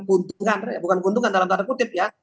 keuntungan bukan keuntungan dalam tanda kutip ya